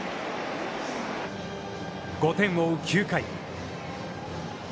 ５点を追う９回。